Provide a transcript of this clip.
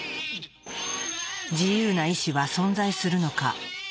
自由な意志は存在するのか？